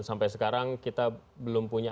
sampai sekarang kita belum punya